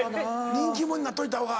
人気者になっといた方が。